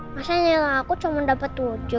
masa nilai aku cuma dapat tujuh